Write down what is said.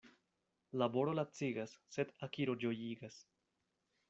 Laboro lacigas, sed akiro ĝojigas.